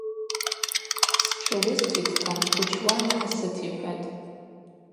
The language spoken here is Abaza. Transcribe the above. Стшы уыститӏта, учуан гӏасыт, – йхӏватӏ.